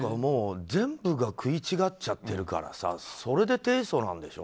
全部が食い違っちゃってるからそれで提訴なんでしょ。